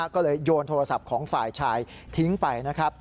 ก็เลยโยนโทรศัพท์ของฝ่ายชายทิ้งไปนะครับ